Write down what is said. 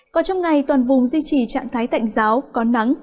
còn trong ngày toàn vùng duy trì trạng thái tạnh giáo có nắng